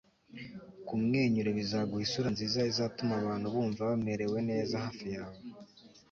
kumwenyura bizaguha isura nziza izatuma abantu bumva bamerewe neza hafi yawe